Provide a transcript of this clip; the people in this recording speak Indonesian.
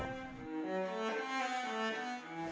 kecintaan musik klasik